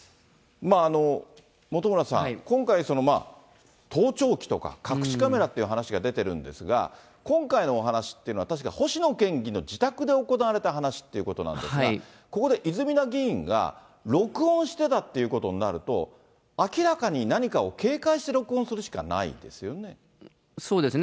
本村さん、今回、盗聴器とか隠しカメラっていう話が出てるんですが、今回のお話っていうのは、確か星野県議の自宅で行われた話っていうことなんですが、ここで泉田議員が、録音してたっていうことになると、明らかに何かを警戒して録音するしかないですよね。